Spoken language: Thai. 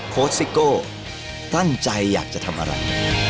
โค้ชซิโก้ตั้งใจอยากจะทำอะไร